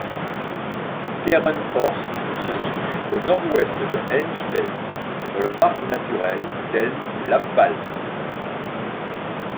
Querenhorst se situe au nord-ouest de Helmstedt, dans le parc naturel d'Elm-Lappwald.